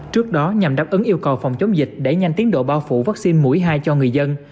trước đó nhằm đáp ứng yêu cầu phòng chống dịch đẩy nhanh tiến độ bao phủ vaccine mũi hai cho người dân